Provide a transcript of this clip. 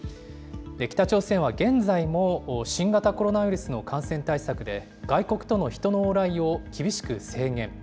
北朝鮮は現在も新型コロナウイルスの感染対策で、外国との人の往来を厳しく制限。